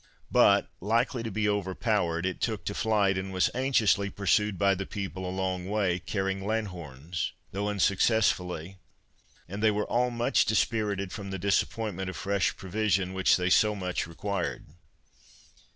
But, likely to be overpowered, it took to flight, and was anxiously pursued by the people a long way, carrying lanthorns, though unsuccessfully; and they were all much dispirited from the disappointment of fresh provision, which they so much required.